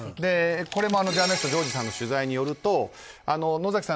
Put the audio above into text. ジャーナリストの上路さんの取材によると野崎さん